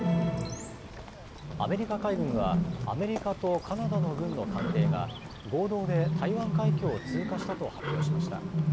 アメリカ海軍はアメリカとカナダの軍の艦艇が合同で台湾海峡を通過したと発表しました。